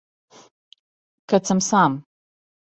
Кад сам сам.